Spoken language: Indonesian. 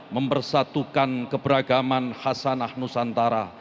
mempersatukan keberagaman khasanah nusantara